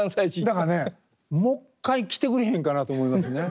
だからねもう一回来てくれへんかなと思いますね。